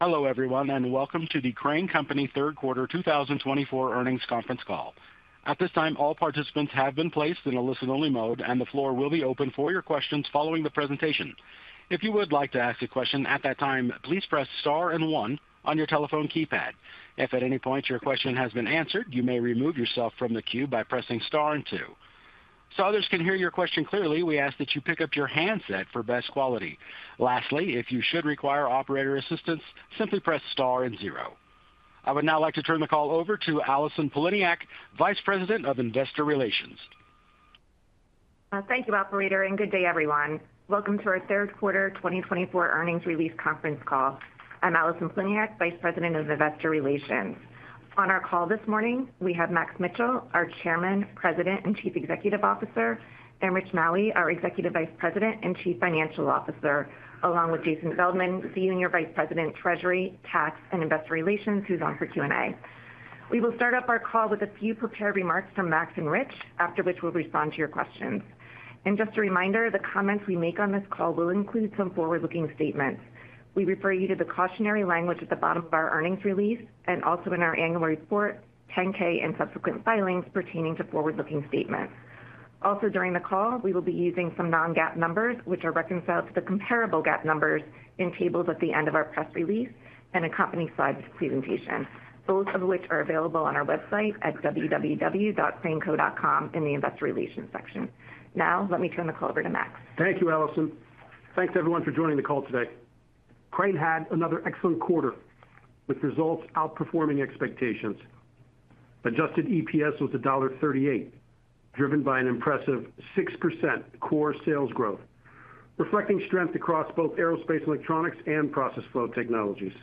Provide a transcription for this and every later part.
Hello everyone and welcome to the Crane Company Third Quarter 2024 earnings conference call. At this time, all participants have been placed in a listen-only mode, and the floor will be open for your questions following the presentation. If you would like to ask a question at that time, please press star and one on your telephone keypad. If at any point your question has been answered, you may remove yourself from the queue by pressing star and two. So others can hear your question clearly, we ask that you pick up your handset for best quality. Lastly, if you should require operator assistance, simply press star and zero. I would now like to turn the call over to Allison Poliniak, Vice President of Investor Relations. Thank you, Operator, and good day everyone. Welcome to our Third Quarter 2024 earnings release conference call. I'm Allison Poliniak, Vice President of Investor Relations. On our call this morning, we have Max Mitchell, our Chairman, President, and Chief Executive Officer, and Rich Maue, our Executive Vice President and Chief Financial Officer, along with Jason Feldman, Senior Vice President, Treasury, Tax, and Investor Relations, who's on for Q&A. We will start up our call with a few prepared remarks from Max and Rich, after which we'll respond to your questions. And just a reminder, the comments we make on this call will include some forward-looking statements. We refer you to the cautionary language at the bottom of our earnings release and also in our annual report, 10-K and subsequent filings pertaining to forward-looking statements. Also during the call, we will be using some non-GAAP numbers, which are reconciled to the comparable GAAP numbers in tables at the end of our press release and a company slide presentation, both of which are available on our website at www.craneco.com in the Investor Relations section. Now, let me turn the call over to Max. Thank you, Allison. Thanks everyone for joining the call today. Crane had another excellent quarter with results outperforming expectations. Adjusted EPS was $1.38, driven by an impressive 6% core sales growth, reflecting strength across both Aerospace & Electronics and Process Flow Technologies.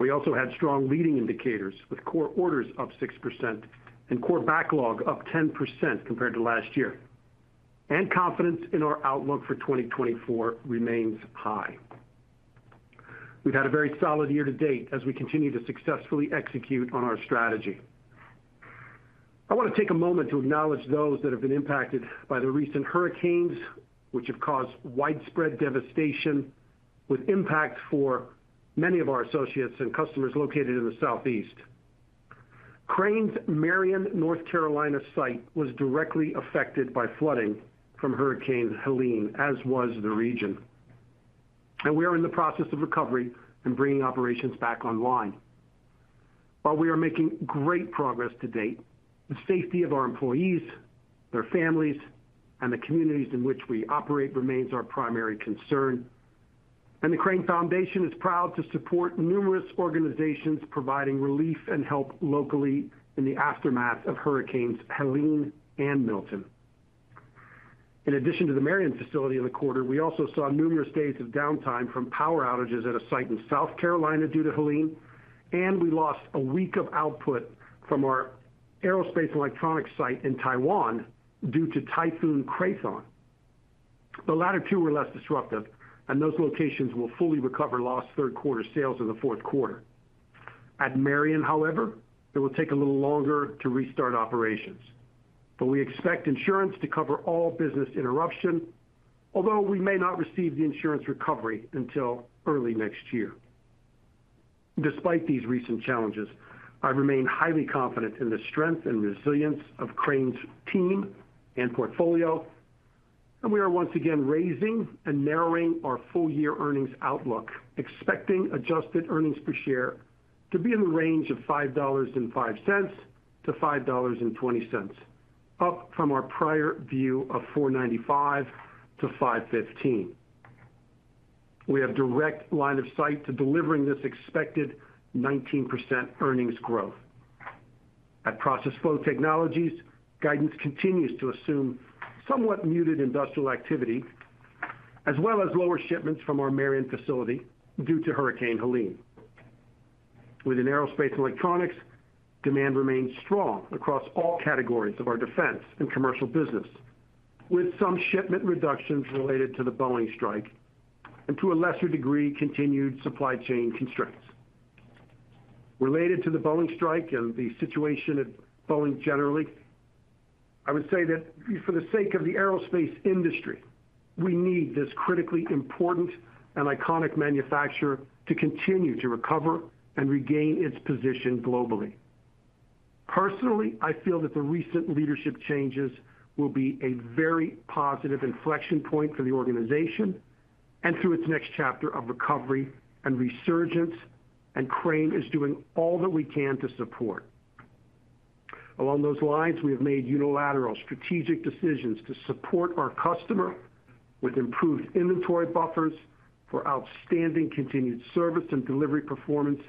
We also had strong leading indicators with core orders up 6% and core backlog up 10% compared to last year, and confidence in our outlook for 2024 remains high. We've had a very solid year to date as we continue to successfully execute on our strategy. I want to take a moment to acknowledge those that have been impacted by the recent hurricanes, which have caused widespread devastation, with impact for many of our associates and customers located in the Southeast. Crane's Marion, North Carolina, site was directly affected by flooding from Hurricane Helene, as was the region. We are in the process of recovery and bringing operations back online. While we are making great progress to date, the safety of our employees, their families, and the communities in which we operate remains our primary concern. The Crane Foundation is proud to support numerous organizations providing relief and help locally in the aftermath of Hurricanes Helene and Milton. In addition to the Marion facility in the quarter, we also saw numerous days of downtime from power outages at a site in South Carolina due to Helene, and we lost a week of output from our Aerospace & Electronics site in Taiwan due to Typhoon Krathon. The latter two were less disruptive, and those locations will fully recover lost third quarter sales in the fourth quarter. At Marion, however, it will take a little longer to restart operations, but we expect insurance to cover all business interruption, although we may not receive the insurance recovery until early next year. Despite these recent challenges, I remain highly confident in the strength and resilience of Crane's team and portfolio, and we are once again raising and narrowing our full year earnings outlook, expecting adjusted earnings per share to be in the range of $5.05-$5.20, up from our prior view of $4.95-$5.15. We have direct line of sight to delivering this expected 19% earnings growth. At Process Flow Technologies, guidance continues to assume somewhat muted industrial activity, as well as lower shipments from our Marion facility due to Hurricane Helene. Within Aerospace & Electronics, demand remains strong across all categories of our defense and commercial business, with some shipment reductions related to the Boeing strike and to a lesser degree continued supply chain constraints. Related to the Boeing strike and the situation at Boeing generally, I would say that for the sake of the aerospace industry, we need this critically important and iconic manufacturer to continue to recover and regain its position globally. Personally, I feel that the recent leadership changes will be a very positive inflection point for the organization and through its next chapter of recovery and resurgence, and Crane is doing all that we can to support. Along those lines, we have made unilateral strategic decisions to support our customer with improved inventory buffers for outstanding continued service and delivery performance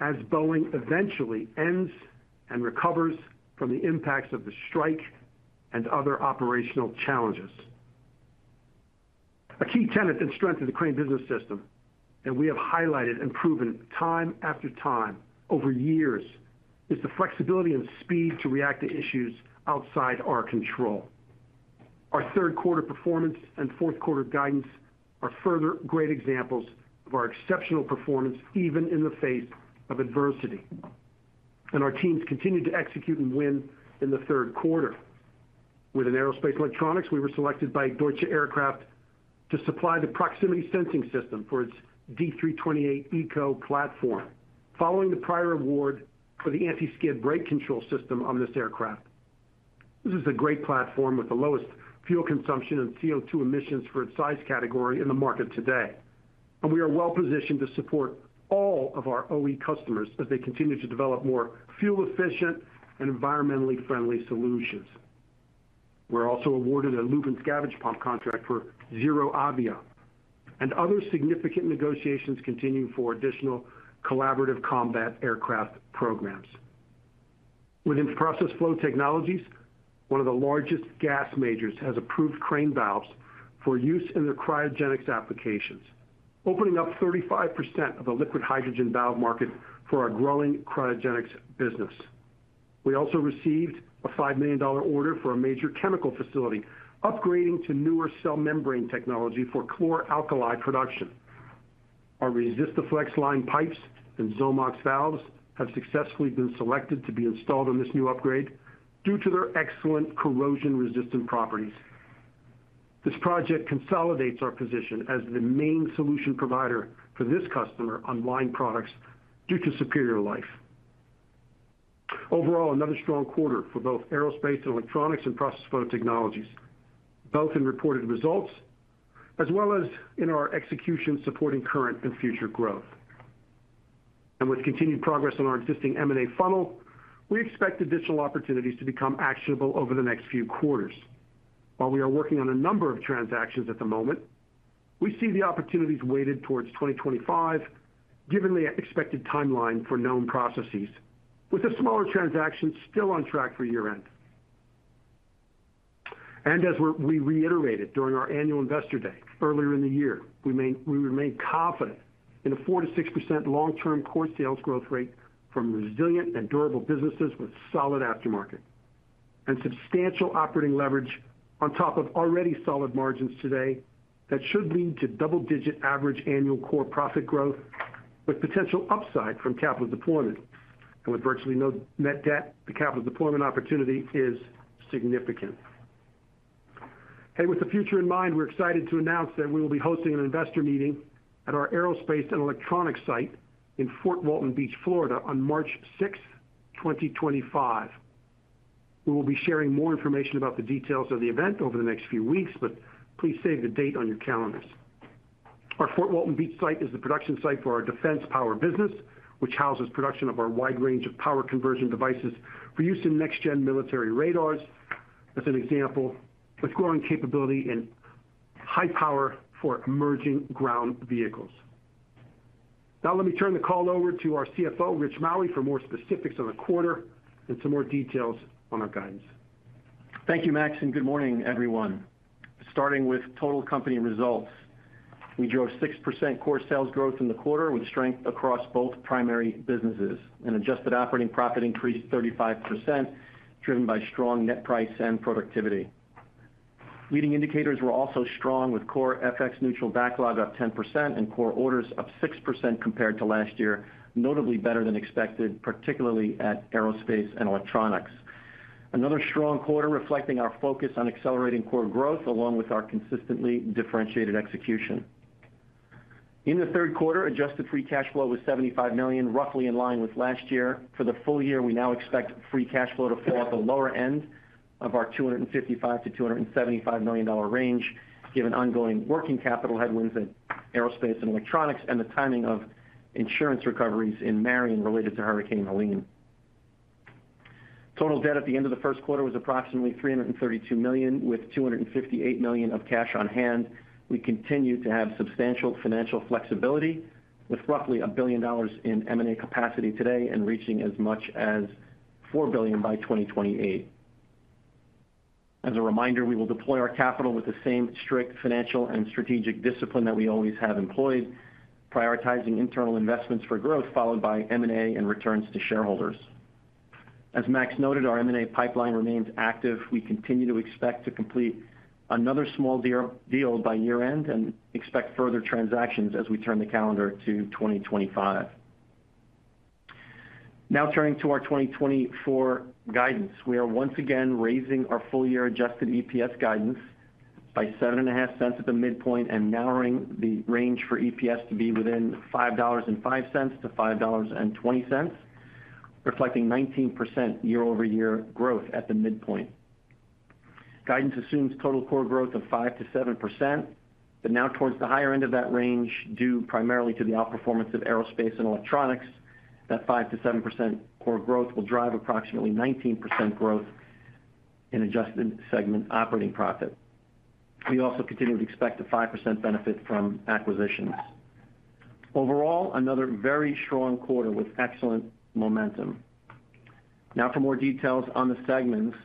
as Boeing eventually ends and recovers from the impacts of the strike and other operational challenges. A key tenet and strength of the Crane Business System, and we have highlighted and proven time after time over years, is the flexibility and speed to react to issues outside our control. Our third quarter performance and fourth quarter guidance are further great examples of our exceptional performance even in the face of adversity, and our teams continue to execute and win in the third quarter. Within Aerospace & Electronics, we were selected by Deutsche Aircraft to supply the proximity sensing system for its D328eco platform, following the prior award for the anti-skid brake control system on this aircraft. This is a great platform with the lowest fuel consumption and CO2 emissions for its size category in the market today, and we are well positioned to support all of our OE customers as they continue to develop more fuel-efficient and environmentally friendly solutions. We're also awarded a lube and scavenge pump contract for ZeroAvia and other significant negotiations continue for additional Collaborative Combat Aircraft programs. Within Process Flow Technologies, one of the largest gas majors has approved Crane valves for use in their cryogenics applications, opening up 35% of the liquid hydrogen valve market for our growing cryogenics business. We also received a $5 million order for a major chemical facility upgrading to newer cell membrane technology for chlor-alkali production. Our Resistoflex line pipes and Xomox valves have successfully been selected to be installed on this new upgrade due to their excellent corrosion-resistant properties. This project consolidates our position as the main solution provider for this customer in-line products due to superior life. Overall, another strong quarter for both Aerospace & Electronics and Process Flow Technologies, both in reported results as well as in our execution supporting current and future growth. And with continued progress on our existing M&A funnel, we expect additional opportunities to become actionable over the next few quarters. While we are working on a number of transactions at the moment, we see the opportunities weighted towards 2025, given the expected timeline for known processes, with a smaller transaction still on track for year-end. And as we reiterated during our annual investor day earlier in the year, we remain confident in a 4%-6% long-term core sales growth rate from resilient and durable businesses with solid aftermarket and substantial operating leverage on top of already solid margins today that should lead to double-digit average annual core profit growth with potential upside from capital deployment. And with virtually no net debt, the capital deployment opportunity is significant. With the future in mind, we're excited to announce that we will be hosting an investor meeting at our Aerospace & Electronics site in Fort Walton Beach, Florida, on March 6th, 2025. We will be sharing more information about the details of the event over the next few weeks, but please save the date on your calendars. Our Fort Walton Beach site is the production site for our defense power business, which houses production of our wide range of power conversion devices for use in next-gen military radars, as an example, with growing capability and high power for emerging ground vehicles. Now, let me turn the call over to our CFO, Rich Maue, for more specifics on the quarter and some more details on our guidance. Thank you, Max, and good morning, everyone. Starting with total company results, we drove 6% core sales growth in the quarter with strength across both primary businesses, and adjusted operating profit increased 35%, driven by strong net price and productivity. Leading indicators were also strong with core FX neutral backlog up 10% and core orders up 6% compared to last year, notably better than expected, particularly at Aerospace & Electronics. Another strong quarter reflecting our focus on accelerating core growth along with our consistently differentiated execution. In the third quarter, adjusted free cash flow was $75 million, roughly in line with last year. For the full year, we now expect free cash flow to fall at the lower end of our $255 million-$275 million range, given ongoing working capital headwinds in Aerospace & Electronics and the timing of insurance recoveries in Marion related to Hurricane Helene. Total debt at the end of the first quarter was approximately $332 million, with $258 million of cash on hand. We continue to have substantial financial flexibility with roughly $1 billion in M&A capacity today and reaching as much as $4 billion by 2028. As a reminder, we will deploy our capital with the same strict financial and strategic discipline that we always have employed, prioritizing internal investments for growth, followed by M&A and returns to shareholders. As Max noted, our M&A pipeline remains active. We continue to expect to complete another small deal by year-end and expect further transactions as we turn the calendar to 2025. Now, turning to our 2024 guidance, we are once again raising our full year adjusted EPS guidance by $7.50 at the midpoint and narrowing the range for EPS to be within $5.05-$5.20, reflecting 19% year-over-year growth at the midpoint. Guidance assumes total core growth of 5% to 7%, but now towards the higher end of that range, due primarily to the outperformance of Aerospace & Electronics. That 5% to 7% core growth will drive approximately 19% growth in adjusted segment operating profit. We also continue to expect a 5% benefit from acquisitions. Overall, another very strong quarter with excellent momentum. Now, for more details on the segments,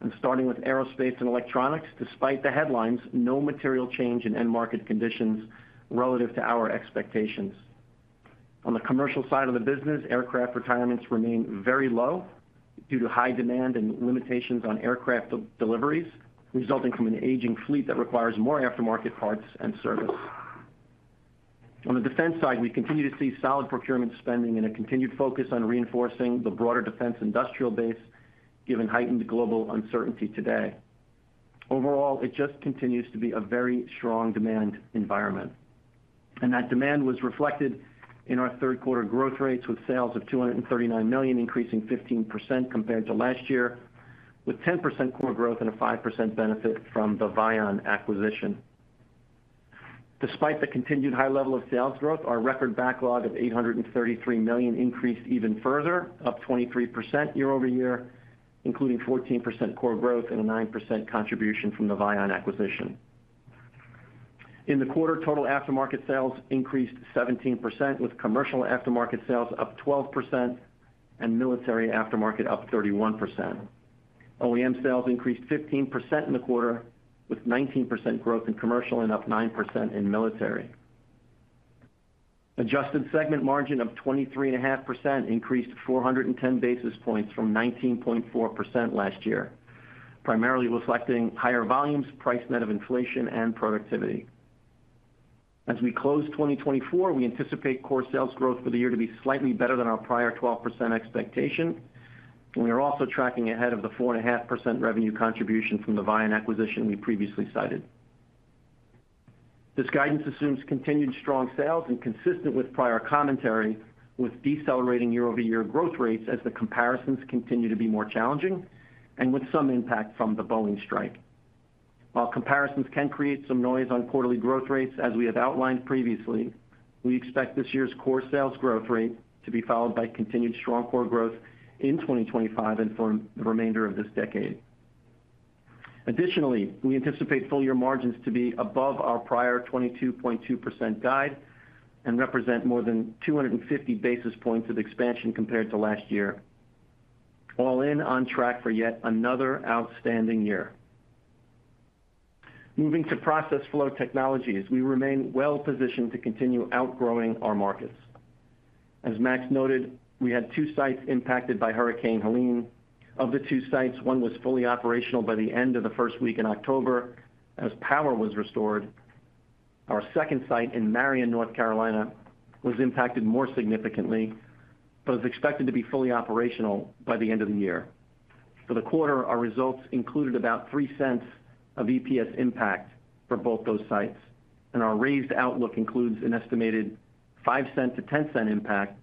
and starting with Aerospace & Electronics, despite the headlines, no material change in end market conditions relative to our expectations. On the commercial side of the business, aircraft retirements remain very low due to high demand and limitations on aircraft deliveries, resulting from an aging fleet that requires more aftermarket parts and service. On the defense side, we continue to see solid procurement spending and a continued focus on reinforcing the broader defense industrial base, given heightened global uncertainty today. Overall, it just continues to be a very strong demand environment, and that demand was reflected in our third quarter growth rates with sales of $239 million, increasing 15% compared to last year, with 10% core growth and a 5% benefit from the Vian acquisition. Despite the continued high level of sales growth, our record backlog of $833 million increased even further, up 23% year-over-year, including 14% core growth and a 9% contribution from the Vian acquisition. In the quarter, total aftermarket sales increased 17%, with commercial aftermarket sales up 12% and military aftermarket up 31%. OEM sales increased 15% in the quarter, with 19% growth in commercial and up 9% in military. Adjusted segment margin of 23.5% increased 410 basis points from 19.4% last year, primarily reflecting higher volumes, price net of inflation, and productivity. As we close 2024, we anticipate core sales growth for the year to be slightly better than our prior 12% expectation, and we are also tracking ahead of the 4.5% revenue contribution from the Vian acquisition we previously cited. This guidance assumes continued strong sales, and consistent with prior commentary, with decelerating year-over-year growth rates as the comparisons continue to be more challenging and with some impact from the Boeing strike. While comparisons can create some noise on quarterly growth rates, as we have outlined previously, we expect this year's core sales growth rate to be followed by continued strong core growth in 2025 and for the remainder of this decade. Additionally, we anticipate full year margins to be above our prior 22.2% guide and represent more than 250 basis points of expansion compared to last year. All in, on track for yet another outstanding year. Moving to Process Flow Technologies, we remain well positioned to continue outgrowing our markets. As Max noted, we had two sites impacted by Hurricane Helene. Of the two sites, one was fully operational by the end of the first week in October as power was restored. Our second site in Marion, North Carolina, was impacted more significantly, but is expected to be fully operational by the end of the year. For the quarter, our results included about $0.03 of EPS impact for both those sites, and our raised outlook includes an estimated $0.05-$0.10 impact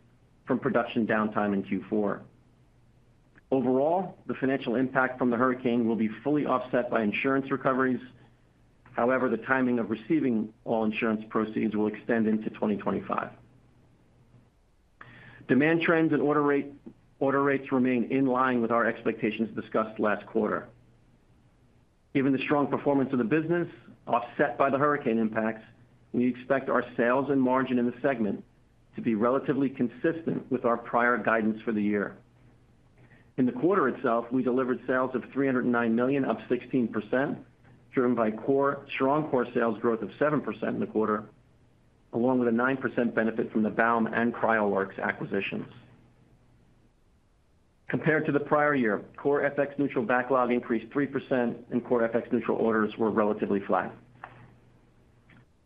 from production downtime in Q4. Overall, the financial impact from the hurricane will be fully offset by insurance recoveries. However, the timing of receiving all insurance proceeds will extend into 2025. Demand trends and order rates remain in line with our expectations discussed last quarter. Given the strong performance of the business, offset by the hurricane impacts, we expect our sales and margin in the segment to be relatively consistent with our prior guidance for the year. In the quarter itself, we delivered sales of $309 million, up 16%, driven by strong core sales growth of 7% in the quarter, along with a 9% benefit from the Baum and CryoWorks acquisitions. Compared to the prior year, core FX neutral backlog increased 3%, and core FX neutral orders were relatively flat.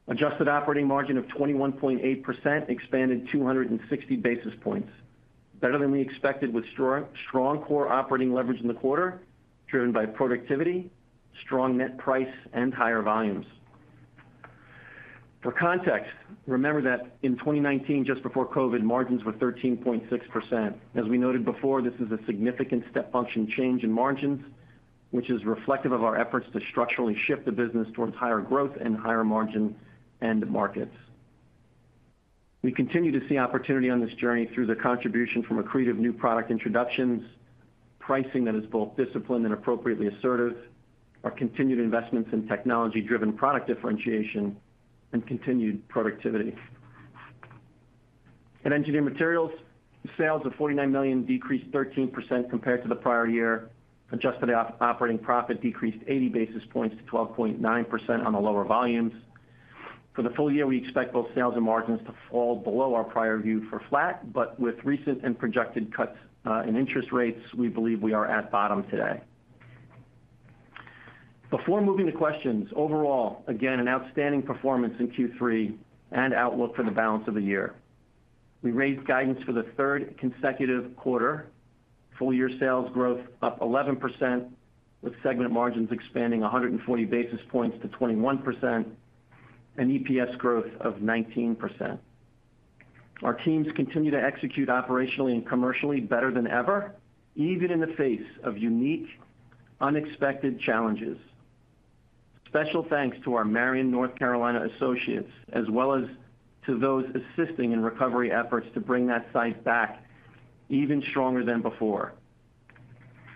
Adjusted operating margin of 21.8% expanded 260 basis points, better than we expected with strong core operating leverage in the quarter, driven by productivity, strong net price, and higher volumes. For context, remember that in 2019, just before COVID, margins were 13.6%. As we noted before, this is a significant step function change in margins, which is reflective of our efforts to structurally shift the business towards higher growth and higher margin end markets. We continue to see opportunity on this journey through the contribution from accretive new product introductions, pricing that is both disciplined and appropriately assertive, our continued investments in technology-driven product differentiation, and continued productivity. At Engineered Materials, sales of $49 million decreased 13% compared to the prior year. Adjusted operating profit decreased 80 basis points to 12.9% on the lower volumes. For the full year, we expect both sales and margins to fall below our prior view for flat, but with recent and projected cuts in interest rates, we believe we are at bottom today. Before moving to questions, overall, again, an outstanding performance in Q3 and outlook for the balance of the year. We raised guidance for the third consecutive quarter, full year sales growth up 11%, with segment margins expanding 140 basis points to 21%, and EPS growth of 19%. Our teams continue to execute operationally and commercially better than ever, even in the face of unique, unexpected challenges. Special thanks to our Marion, North Carolina, associates, as well as to those assisting in recovery efforts to bring that site back even stronger than before.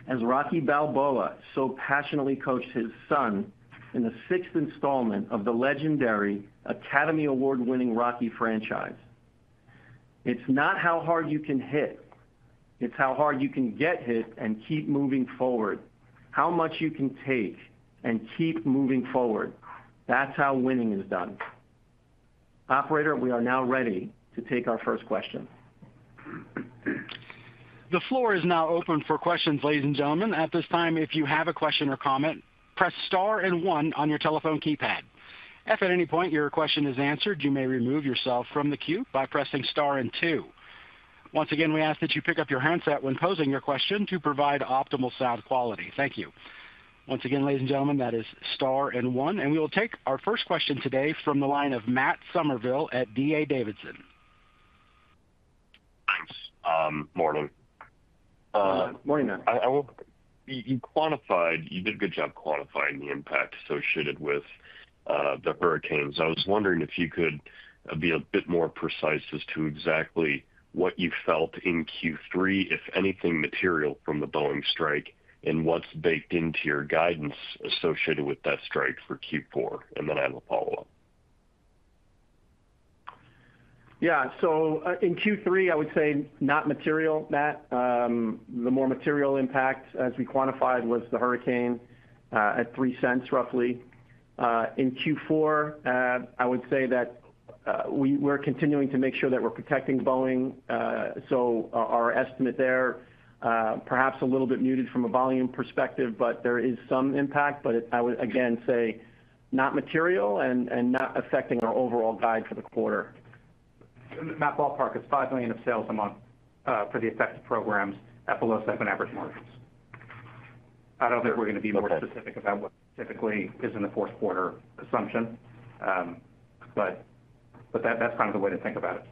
As Rocky Balboa so passionately coached his son in the sixth installment of the legendary Academy Award-winning Rocky franchise, it's not how hard you can hit, it's how hard you can get hit and keep moving forward, how much you can take and keep moving forward. That's how winning is done. Operator, we are now ready to take our first question. The floor is now open for questions, ladies and gentlemen. At this time, if you have a question or comment, press Star and One on your telephone keypad. If at any point your question is answered, you may remove yourself from the queue by pressing Star and Two. Once again, we ask that you pick up your handset when posing your question to provide optimal sound quality. Thank you. Once again, ladies and gentlemen, that is Star and One. And we will take our first question today from the line of Matt Summerville at D.A. Davidson. Thanks. Morning. Morning, Matt. You quantified, you did a good job quantifying the impact associated with the hurricanes. I was wondering if you could be a bit more precise as to exactly what you felt in Q3, if anything material from the Boeing strike, and what's baked into your guidance associated with that strike for Q4, and then I have a follow-up. Yeah. So in Q3, I would say not material, Matt. The more material impact as we quantified was the hurricane at roughly $0.03. In Q4, I would say that we're continuing to make sure that we're protecting Boeing. So our estimate there, perhaps a little bit muted from a volume perspective, but there is some impact. But I would again say not material and not affecting our overall guide for the quarter. A ballpark is $5 million of sales a month for the effective programs at below segment-average margins. I don't think we're going to be more specific about what typically is in the fourth quarter assumption, but that's kind of the way to think about it.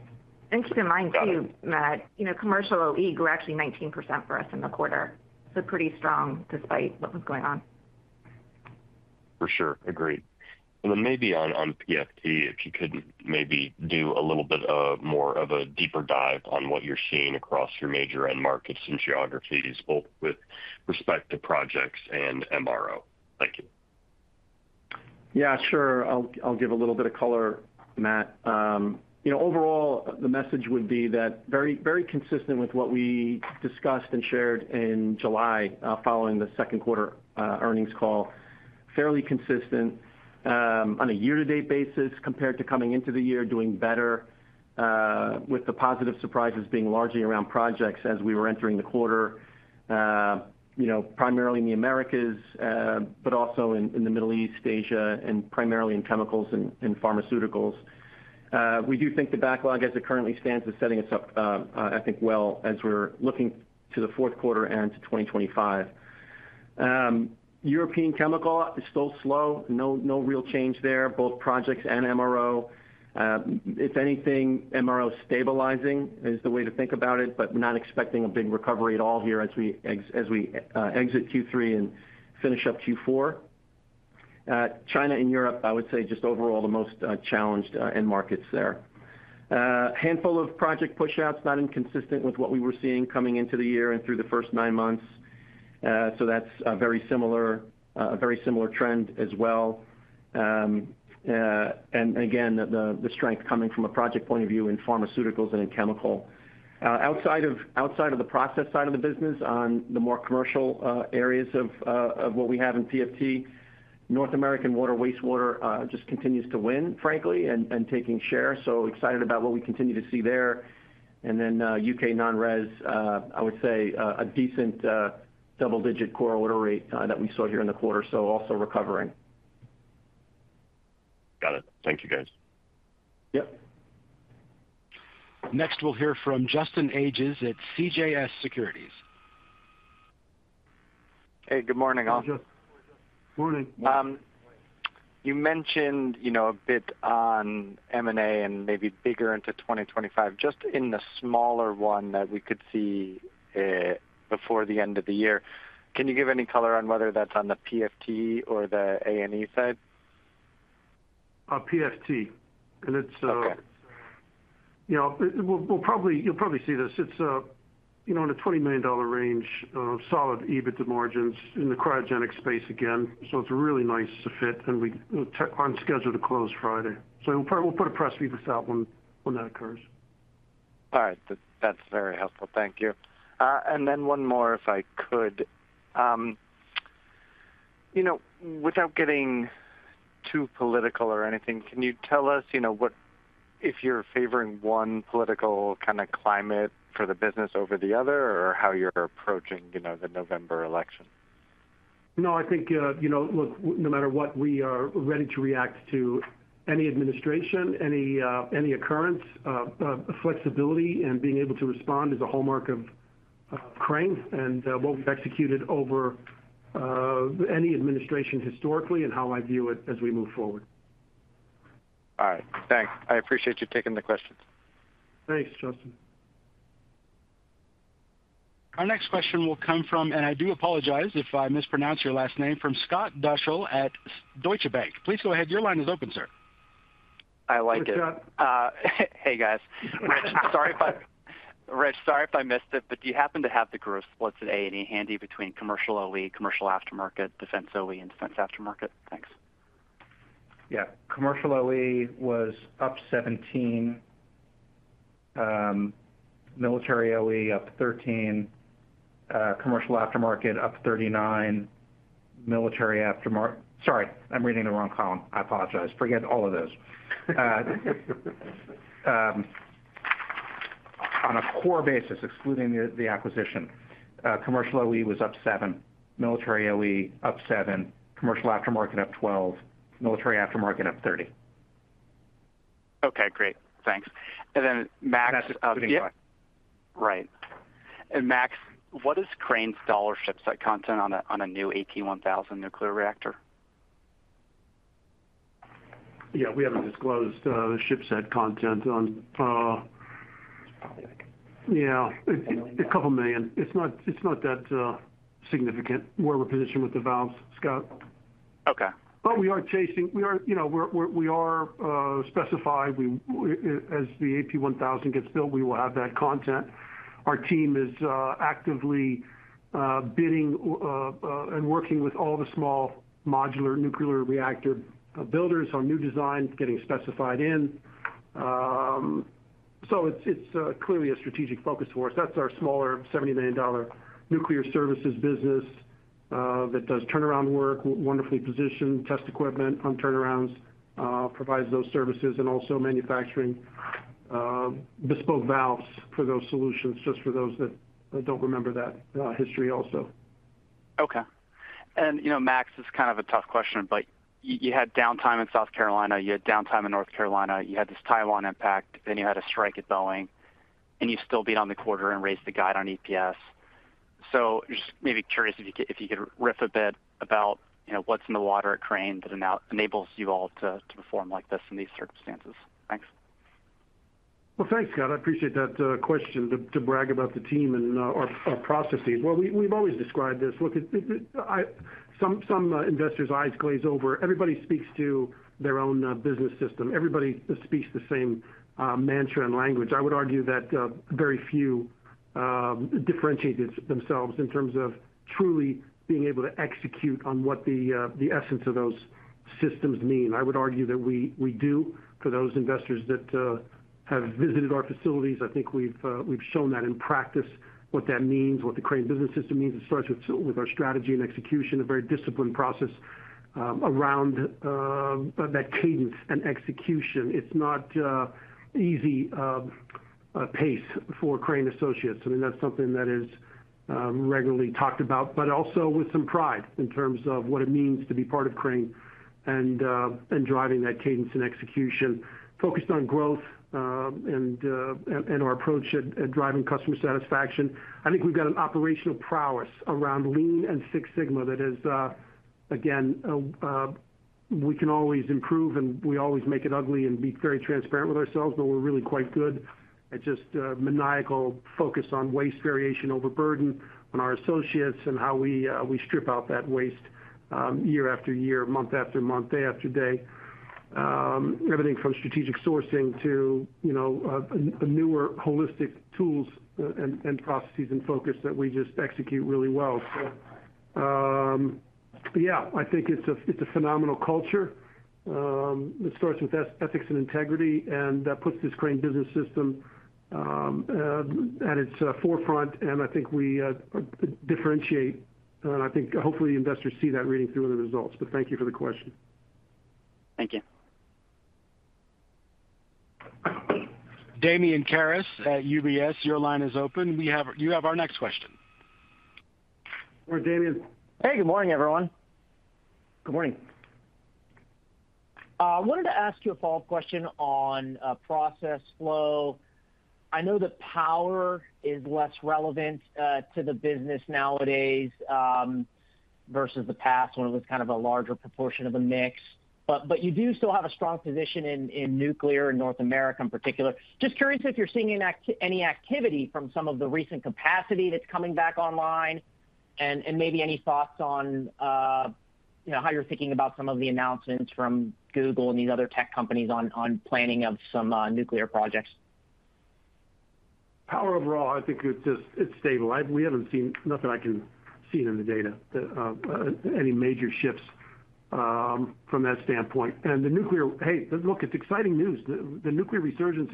Keep in mind too, Matt, commercial OE grew actually 19% for us in the quarter. Pretty strong despite what was going on. For sure. Agreed. And then maybe on PFT, if you could maybe do a little bit more of a deeper dive on what you're seeing across your major end markets and geographies, both with respect to projects and MRO. Thank you. Yeah, sure. I'll give a little bit of color, Matt. Overall, the message would be that very consistent with what we discussed and shared in July following the second quarter earnings call, fairly consistent on a year-to-date basis compared to coming into the year, doing better with the positive surprises being largely around projects as we were entering the quarter, primarily in the Americas, but also in the Middle East, Asia, and primarily in chemicals and pharmaceuticals. We do think the backlog, as it currently stands, is setting us up, I think, well as we're looking to the fourth quarter and to 2025. European chemical is still slow. No real change there, both projects and MRO. If anything, MRO stabilizing is the way to think about it, but we're not expecting a big recovery at all here as we exit Q3 and finish up Q4. China and Europe, I would say just overall the most challenged end markets there. Handful of project push-outs, not inconsistent with what we were seeing coming into the year and through the first nine months. So that's a very similar trend as well. And again, the strength coming from a project point of view in pharmaceuticals and in chemical. Outside of the process side of the business, on the more commercial areas of what we have in PFT, North American Water, Wastewater just continues to win, frankly, and taking share. So excited about what we continue to see there. And then UK Non-Res, I would say a decent double-digit core order rate that we saw here in the quarter, so also recovering. Got it. Thank you, guys. Yep. Next, we'll hear from Justin Ages at CJS Securities. Hey, good morning. Good morning. You mentioned a bit on M&A and maybe bigger into 2025, just in the smaller one that we could see before the end of the year. Can you give any color on whether that's on the PFT or the A&E side? PFT. You'll probably see this. It's in the $20 million range, solid EBITDA margins in the cryogenic space again. So it's really nice to fit, and we're on schedule to close Friday. So we'll put a press release out when that occurs. All right. That's very helpful. Thank you. And then one more, if I could. Without getting too political or anything, can you tell us if you're favoring one political kind of climate for the business over the other or how you're approaching the November election? No, I think, look, no matter what, we are ready to react to any administration, any occurrence. Flexibility and being able to respond is a hallmark of Crane and what we've executed over any administration historically and how I view it as we move forward. All right. Thanks. I appreciate you taking the questions. Thanks, Justin. Our next question will come from, and I do apologize if I mispronounce your last name, from Scott Deuschle at Deutsche Bank. Please go ahead. Your line is open, sir. I like it. Hey, guys. Rich, sorry if I missed it, but do you happen to have the gross splits at A&E handy between commercial OE, commercial aftermarket, defense OE, and defense aftermarket? Thanks. Yeah. Commercial OE was up 17%, military OE up 13%, commercial aftermarket up 39%, military aftermarket. Sorry, I'm reading the wrong column. I apologize. Forget all of those. On a core basis, excluding the acquisition, commercial OE was up 7%, military OE up 7%, commercial aftermarket up 12%, military aftermarket up 30%. Okay. Great. Thanks. And then Max. That's a good question. Right. And Max, what is Crane's dollar ship-set content on a new AP1000 nuclear reactor? Yeah. We haven't disclosed the ship-set content on. It's probably like. Yeah. It's a couple of million. It's not that significant. Where we're positioned with the valves, Scott. Okay. But we are chasing. We are specified. As the AP1000 gets built, we will have that content. Our team is actively bidding and working with all the small modular nuclear reactor builders. Our new design is getting specified in. So it's clearly a strategic focus for us. That's our smaller $70 million nuclear services business that does turnaround work, wonderfully positioned, test equipment on turnarounds, provides those services, and also manufacturing bespoke valves for those solutions, just for those that don't remember that history also. Okay. And Max, this is kind of a tough question, but you had downtime in South Carolina, you had downtime in North Carolina, you had this Taiwan impact, then you had a strike at Boeing, and you still beat on the quarter and raised the guide on EPS. So just maybe curious if you could riff a bit about what's in the water at Crane that enables you all to perform like this in these circumstances. Thanks. Well, thanks, Scott. I appreciate that question to brag about the team and our processes. Well, we've always described this. Look, some investors' eyes glaze over. Everybody speaks to their own business system. Everybody speaks the same mantra and language. I would argue that very few differentiate themselves in terms of truly being able to execute on what the essence of those systems mean. I would argue that we do for those investors that have visited our facilities. I think we've shown that in practice what that means, what the Crane Business System means. It starts with our strategy and execution, a very disciplined process around that cadence and execution. It's not an easy pace for Crane associates. I mean, that's something that is regularly talked about, but also with some pride in terms of what it means to be part of Crane and driving that cadence and execution, focused on growth and our approach at driving customer satisfaction. I think we've got an operational prowess around Lean and Six Sigma that is, again, we can always improve and we always make it ugly and be very transparent with ourselves, but we're really quite good at just maniacal focus on waste variation over burden on our associates and how we strip out that waste year after year, month after month, day after day. Everything from strategic sourcing to the newer holistic tools and processes and focus that we just execute really well. Yeah. I think it's a phenomenal culture. It starts with ethics and integrity, and that puts this Crane Business System at its forefront. I think we differentiate, and I think hopefully investors see that reading through the results. But thank you for the question. Thank you. Damian Karas at UBS, your line is open. You have our next question. All right, Damian. Hey, good morning, everyone. Good morning. I wanted to ask you a follow-up question on process flow. I know that power is less relevant to the business nowadays versus the past when it was kind of a larger proportion of the mix. But you do still have a strong position in nuclear in North America in particular. Just curious if you're seeing any activity from some of the recent capacity that's coming back online and maybe any thoughts on how you're thinking about some of the announcements from Google and these other tech companies on planning of some nuclear projects. Power overall, I think it's stable. We haven't seen nothing I can see in the data, any major shifts from that standpoint. And the nuclear, hey, look, it's exciting news. The nuclear resurgence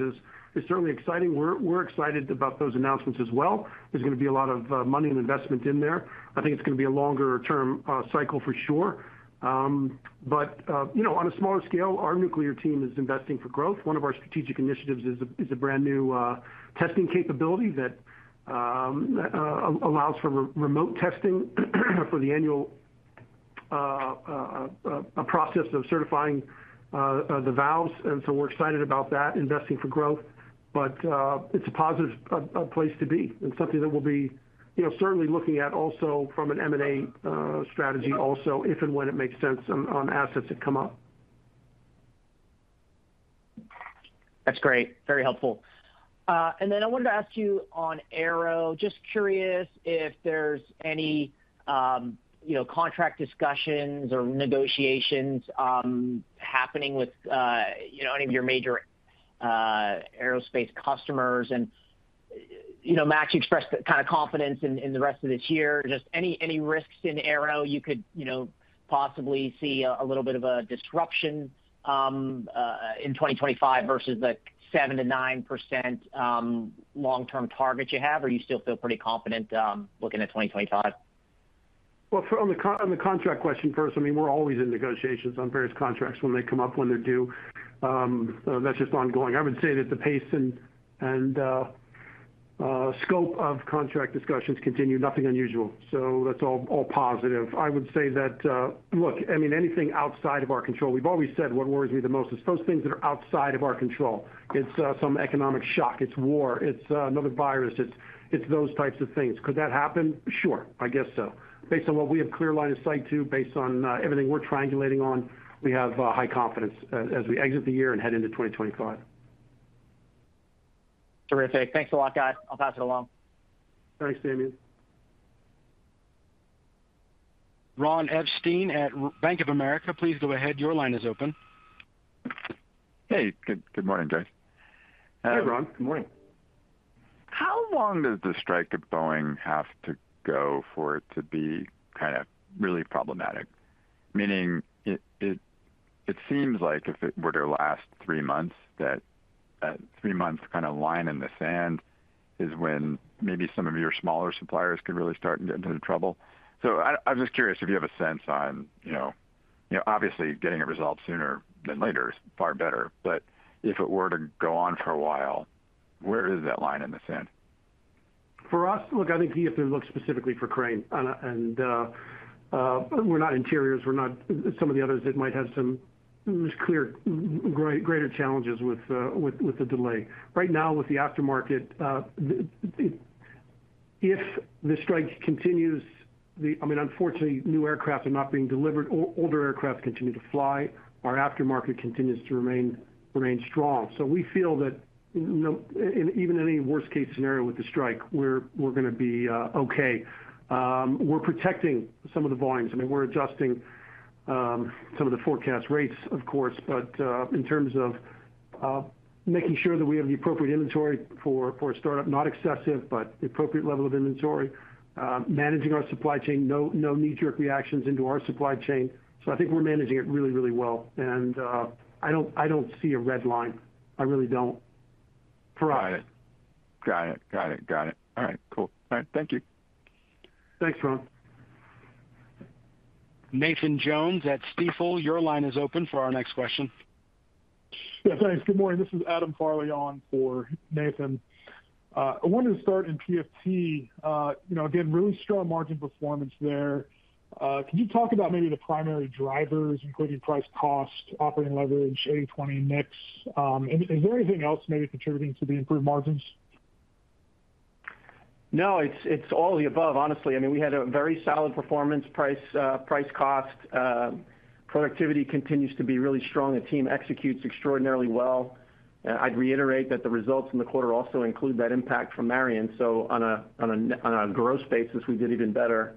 is certainly exciting. We're excited about those announcements as well. There's going to be a lot of money and investment in there. I think it's going to be a longer-term cycle for sure. But on a smaller scale, our nuclear team is investing for growth. One of our strategic initiatives is a brand new testing capability that allows for remote testing for the annual process of certifying the valves. And so we're excited about that, investing for growth. But it's a positive place to be and something that we'll be certainly looking at also from an M&A strategy also, if and when it makes sense on assets that come up. That's great. Very helpful. And then I wanted to ask you on aero, just curious if there's any contract discussions or negotiations happening with any of your major aerospace customers. And Max, you expressed kind of confidence in the rest of this year. Just any risks in aero you could possibly see a little bit of a disruption in 2025 versus the 7%-9% long-term target you have? Or you still feel pretty confident looking at 2025? On the contract question first, I mean, we're always in negotiations on various contracts when they come up, when they're due. That's just ongoing. I would say that the pace and scope of contract discussions continue. Nothing unusual. So that's all positive. I would say that, look, I mean, anything outside of our control. We've always said what worries me the most is those things that are outside of our control. It's some economic shock. It's war. It's another virus. It's those types of things. Could that happen? Sure. I guess so. Based on what we have clear line of sight to, based on everything we're triangulating on, we have high confidence as we exit the year and head into 2025. Terrific. Thanks a lot, guys. I'll pass it along. Thanks, Damian. Ron Epstein at Bank of America, please go ahead. Your line is open. Hey, good morning, guys. Hey, Ron. Good morning. How long does the strike at Boeing have to go for it to be kind of really problematic? Meaning, it seems like if it were to last three months, that three months kind of line in the sand is when maybe some of your smaller suppliers could really start and get into trouble. So I'm just curious if you have a sense on, obviously, getting it resolved sooner than later is far better. But if it were to go on for a while, where is that line in the sand? For us, look, I think you have to look specifically for Crane, and we're not interiors. We're not some of the others that might have some clear greater challenges with the delay. Right now, with the aftermarket, if the strike continues, I mean, unfortunately, new aircraft are not being delivered. Older aircraft continue to fly. Our aftermarket continues to remain strong. So we feel that even in any worst-case scenario with the strike, we're going to be okay. We're protecting some of the volumes. I mean, we're adjusting some of the forecast rates, of course, but in terms of making sure that we have the appropriate inventory for a startup, not excessive, but the appropriate level of inventory, managing our supply chain, no knee-jerk reactions into our supply chain. So I think we're managing it really, really well, and I don't see a red line. I really don't for us. Got it. All right. Cool. Thank you. Thanks, Ron. Nathan Jones at Stifel, your line is open for our next question. Yes, thanks. Good morning. This is Adam Farley on for Nathan. I wanted to start in PFT. Again, really strong margin performance there. Can you talk about maybe the primary drivers, including price, cost, operating leverage, 80/20 mix, and is there anything else maybe contributing to the improved margins? No, it's all of the above, honestly. I mean, we had a very solid performance, price, cost. Productivity continues to be really strong. The team executes extraordinarily well. I'd reiterate that the results in the quarter also include that impact from Marion. So on a gross basis, we did even better.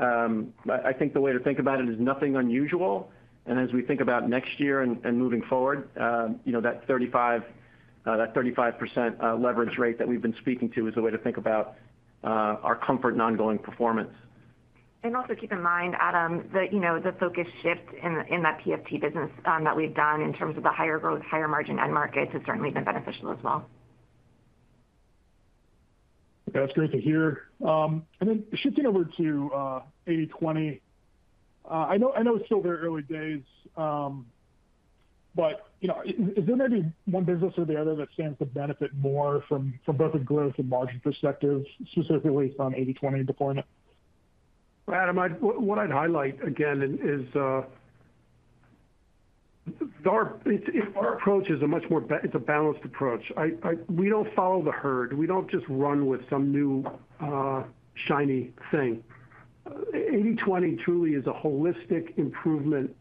I think the way to think about it is nothing unusual. And as we think about next year and moving forward, that 35% leverage rate that we've been speaking to is the way to think about our comfort and ongoing performance. Also keep in mind, Adam, that the focus shift in that PFT business that we've done in terms of the higher growth, higher margin end markets has certainly been beneficial as well. That's great to hear, and then shifting over to 80/20, I know it's still very early days, but is there maybe one business or the other that stands to benefit more from both a growth and margin perspective, specifically from 80/20 deployment? Well, Adam, what I'd highlight again is our approach is a much more balanced approach. We don't follow the herd. We don't just run with some new shiny thing. 80/20 truly is a holistic improvement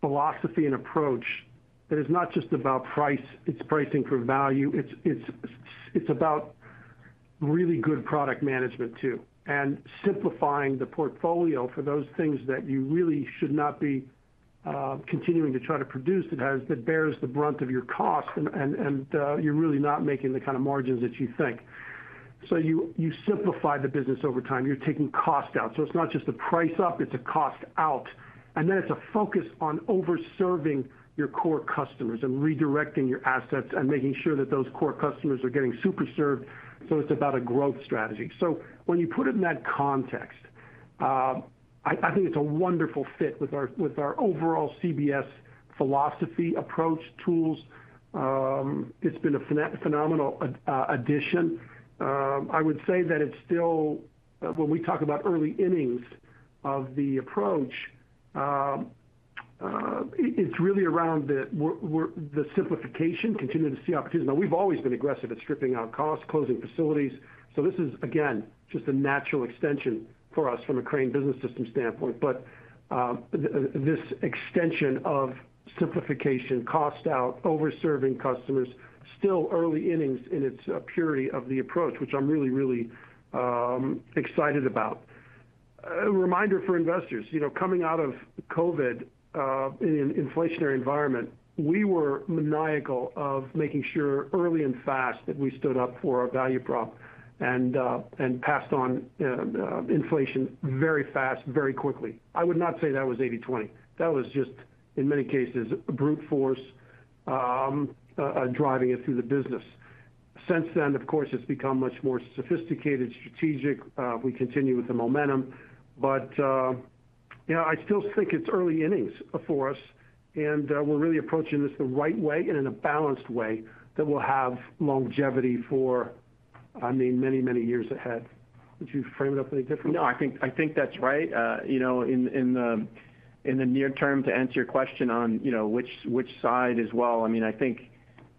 philosophy and approach that is not just about price. It's pricing for value. It's about really good product management too and simplifying the portfolio for those things that you really should not be continuing to try to produce that bears the brunt of your cost, and you're really not making the kind of margins that you think. So you simplify the business over time. You're taking cost out. So it's not just a price up, it's a cost out. And then it's a focus on overserving your core customers and redirecting your assets and making sure that those core customers are getting super served. So it's about a growth strategy. So when you put it in that context, I think it's a wonderful fit with our overall CBS philosophy, approach, tools. It's been a phenomenal addition. I would say that it's still, when we talk about early innings of the approach, it's really around the simplification, continue to see opportunities. Now, we've always been aggressive at stripping out costs, closing facilities. So this is, again, just a natural extension for us from a Crane Business System standpoint. But this extension of simplification, cost out, overserving customers, still early innings in its purity of the approach, which I'm really, really excited about. A reminder for investors, coming out of COVID in an inflationary environment, we were maniacal of making sure early and fast that we stood up for our value prop and passed on inflation very fast, very quickly. I would not say that was 80/20. That was just, in many cases, a brute force driving it through the business. Since then, of course, it's become much more sophisticated, strategic. We continue with the momentum. But yeah, I still think it's early innings for us. And we're really approaching this the right way and in a balanced way that will have longevity for, I mean, many, many years ahead. Would you frame it up any differently? No, I think that's right. In the near term, to answer your question on which side as well, I mean, I think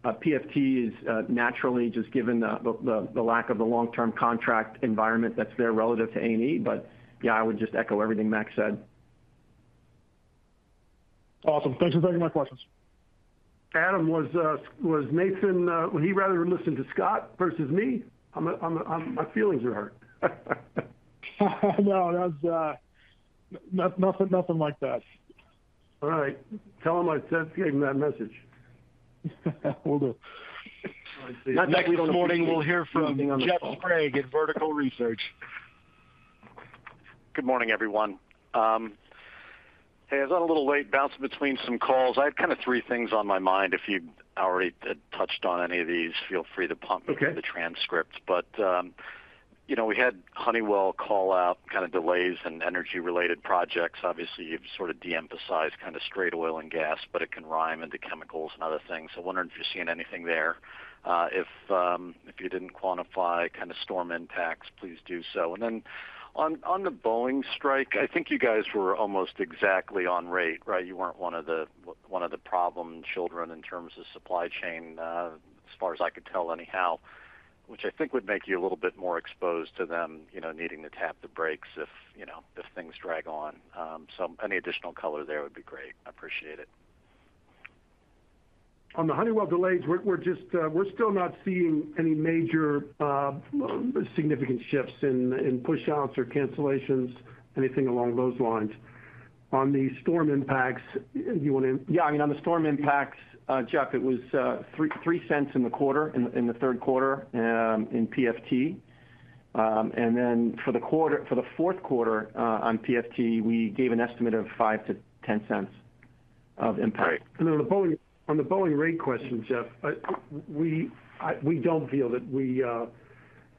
PFT is naturally just given the lack of the long-term contract environment that's there relative to A&E. But yeah, I would just echo everything Max said. Awesome. Thanks for taking my questions. Adam was Nathan, would he rather listen to Scott versus me? My feelings are hurt. No, nothing like that. All right. Tell him I said gave him that message. We'll do it. Next morning, we'll hear from Jeff Sprague at Vertical Research. Good morning, everyone. Hey, I was on a little late bouncing between some calls. I had kind of three things on my mind. If you've already touched on any of these, feel free to pop me the transcript. But we had Honeywell call out kind of delays and energy-related projects. Obviously, you've sort of de-emphasized kind of straight oil and gas, but it can rhyme into chemicals and other things. So I wonder if you're seeing anything there. If you didn't quantify kind of storm impacts, please do so. And then on the Boeing strike, I think you guys were almost exactly on rate, right? You weren't one of the problem children in terms of supply chain as far as I could tell anyhow, which I think would make you a little bit more exposed to them needing to tap the brakes if things drag on. So any additional color there would be great. I appreciate it. On the Honeywell delays, we're still not seeing any major significant shifts in push-outs or cancellations, anything along those lines. On the storm impacts, do you want to? Yeah, I mean, on the storm impacts, Jeff, it was $0.03 in the quarter, in the third quarter in PFT. And then for the fourth quarter on PFT, we gave an estimate of $0.05-$0.10 of impact. Right. And on the Boeing rate question, Jeff, we don't feel that we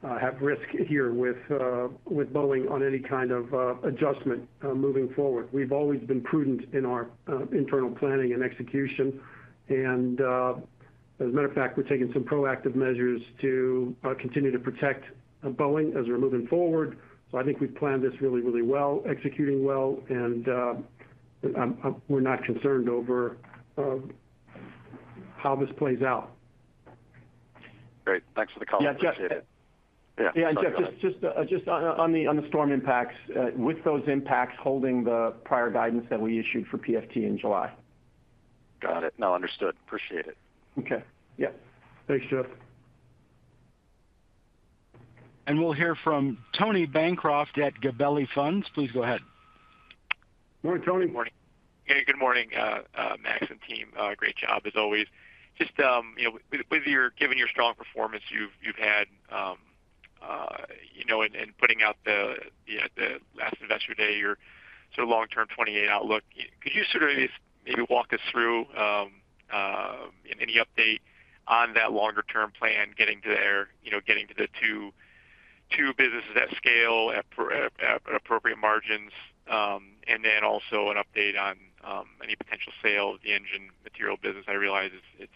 have risk here with Boeing on any kind of adjustment moving forward. We've always been prudent in our internal planning and execution. And as a matter of fact, we're taking some proactive measures to continue to protect Boeing as we're moving forward. So I think we've planned this really, really well, executing well, and we're not concerned over how this plays out. Great. Thanks for the comment. I appreciate it. Yeah, Jeff. Just on the storm impacts, with those impacts holding the prior guidance that we issued for PFT in July. Got it. No, understood. Appreciate it. Okay. Yeah. Thanks, Jeff. We'll hear from Tony Bancroft at Gabelli Funds. Please go ahead. Morning, Tony. Morning. Hey, good morning, Max and team. Great job as always. Just, given your strong performance you've had and putting out the last investor day, your sort of long-term 20-year outlook, could you sort of maybe walk us through any update on that longer-term plan, getting to there, getting to the two businesses at scale at appropriate margins, and then also an update on any potential sale of the engine material business? I realize it's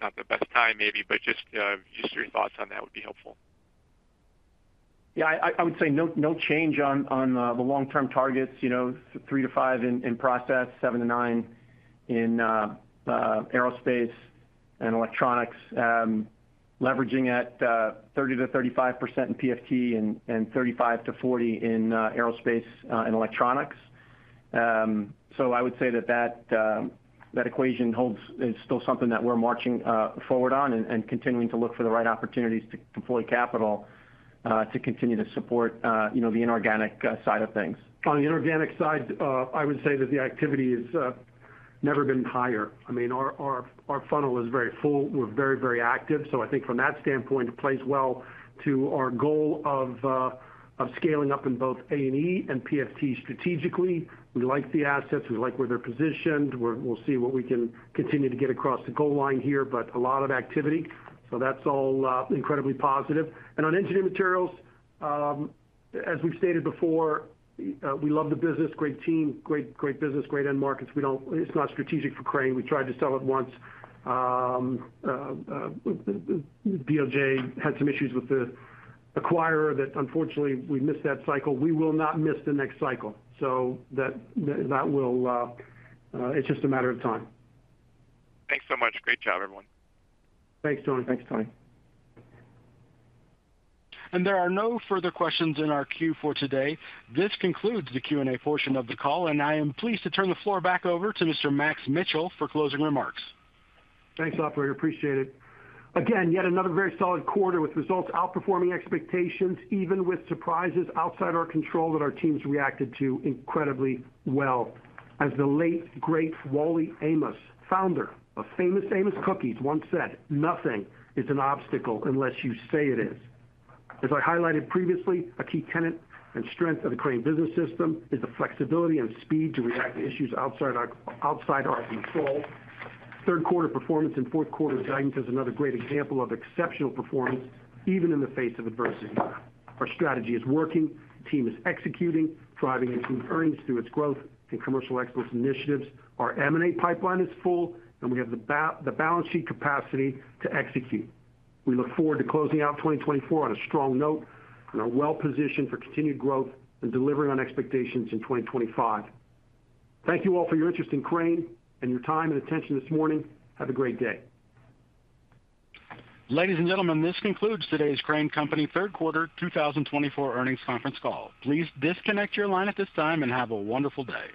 not the best time maybe, but just your thoughts on that would be helpful. Yeah, I would say no change on the long-term targets, 3-5 in process, 7-9 in Aerospace & Electronics, leveraging at 30-35% in PFT and 35-40% in Aerospace & Electronics. So I would say that that equation holds is still something that we're marching forward on and continuing to look for the right opportunities to deploy capital to continue to support the inorganic side of things. On the inorganic side, I would say that the activity has never been higher. I mean, our funnel is very full. We're very, very active. So I think from that standpoint, it plays well to our goal of scaling up in both A&E and PFT strategically. We like the assets. We like where they're positioned. We'll see what we can continue to get across the goal line here, but a lot of activity. So that's all incredibly positive. And on Engineering materials, as we've stated before, we love the business, great team, great business, great end markets. It's not strategic for Crane. We tried to sell it once. DOJ had some issues with the acquirer that unfortunately we missed that cycle. We will not miss the next cycle. So that will. It's just a matter of time. Thanks so much. Great job, everyone. Thanks, Tony. Thanks, Tony. There are no further questions in our queue for today. This concludes the Q&A portion of the call, and I am pleased to turn the floor back over to Mr. Max Mitchell for closing remarks. Thanks, operator. Appreciate it. Again, yet another very solid quarter with results outperforming expectations, even with surprises outside our control that our teams reacted to incredibly well. As the late, great Wally Amos, founder of Famous Amos Cookies, once said, "Nothing is an obstacle unless you say it is." As I highlighted previously, a key tenet and strength of the Crane Business System is the flexibility and speed to react to issues outside our control. Third quarter performance and fourth quarter guidance is another great example of exceptional performance, even in the face of adversity. Our strategy is working, the team is executing, driving improved earnings through its growth and commercial excellence initiatives. Our M&A pipeline is full, and we have the balance sheet capacity to execute. We look forward to closing out 2024 on a strong note and are well positioned for continued growth and delivering on expectations in 2025. Thank you all for your interest in Crane and your time and attention this morning. Have a great day. Ladies and gentlemen, this concludes today's Crane Company third quarter 2024 earnings conference call. Please disconnect your line at this time and have a wonderful day.